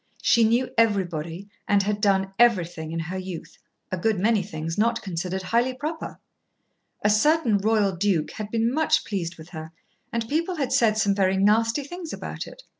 She knew everybody and had done everything in her youth, a good many things not considered highly proper. A certain royal duke had been much pleased with her and people had said some very nasty things about it.